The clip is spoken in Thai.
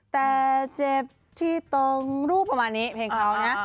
แต่เจ็บที่ตรงรูปประมาณนี้เพลงเขานะ